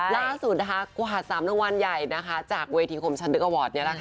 ล่าสุดกวาด๓รางวัลใหญ่จากเวทีคมชันเดิกอวอร์ด